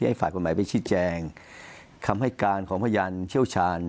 จากหมายไปชิ้นแจงคำให้การของพญานเชี่ยวชาญ